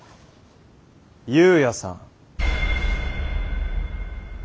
由也さん。